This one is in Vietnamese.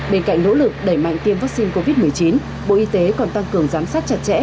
bên cạnh nỗ lực đẩy mạnh tiêm vaccine covid một mươi chín bộ y tế còn tăng cường giám sát chặt chẽ